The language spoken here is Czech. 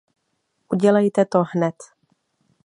Udělejte to hned.